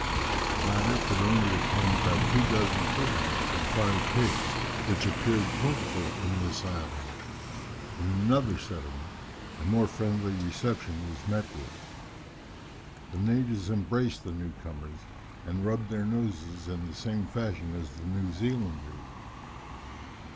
The latter could only obtain about two dozen cocoa nuts and five pigs, which appeared plentiful in this island. In another settlement a more friendly reception was met with. The natives embraced the new comers, and rubbed their noses in the same fashion as the New Zealanders.